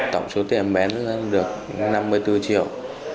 tổng số tiền em bán được năm mươi bốn triệu